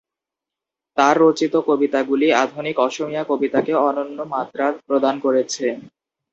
তার রচিত কবিতাগুলি আধুনিক অসমীয়া কবিতাকে অন্যন্য মাত্রা প্রদান করেছে।